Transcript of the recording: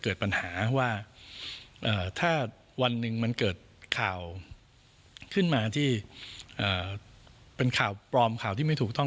เกิดปัญหาว่าถ้าวันหนึ่งมันเกิดข่าวขึ้นมาที่เป็นข่าวปลอมข่าวที่ไม่ถูกต้อง